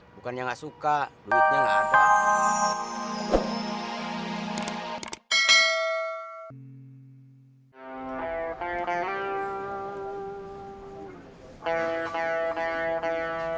bukannya gak suka duitnya gak ada